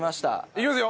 いきますよ？